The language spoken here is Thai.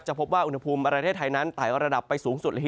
พบว่าอุณหภูมิประเทศไทยนั้นไต่ระดับไปสูงสุด